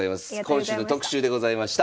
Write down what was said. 今週の特集でございました。